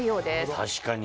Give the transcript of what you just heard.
確かに。